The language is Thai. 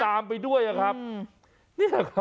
แบบนี้คือแบบนี้คือแบบนี้คือ